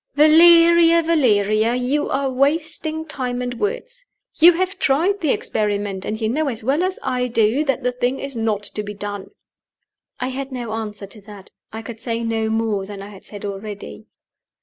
"Valeria! Valeria! you are wasting time and words. You have tried the experiment; and you know as well as I do that the thing is not to be done." I had no answer to that. I could say no more than I had said already.